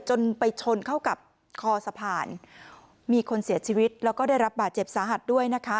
จนไปชนเข้ากับคอสะพานมีคนเสียชีวิตแล้วก็ได้รับบาดเจ็บสาหัสด้วยนะคะ